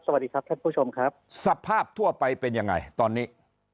สวัสดีครับท่านผู้ชมครับสภาพทั่วไปเป็นยังไงตอนนี้